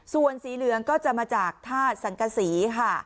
ส่วนสีเหลืองก็จะมาจากธาตุสังกษีค่ะ